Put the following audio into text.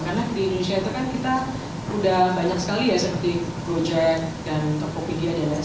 karena di indonesia itu kan kita sudah banyak sekali ya seperti proyek dan tokopedia dan lain lain